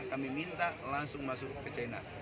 kami minta langsung masuk ke china